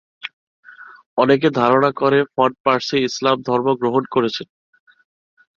অনেকে ধারণা করে ফন পার্সি ইসলাম ধর্ম গ্রহণ করেছেন।